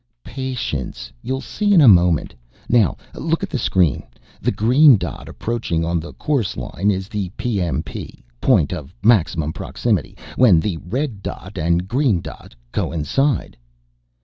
"Patience you'll see in a moment. Now look, at the screen. The green dot approaching on the course line is the PMP. Point of Maximum Proximity. When the red dot and green dot coincide...."